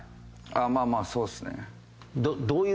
まあまあそうですね。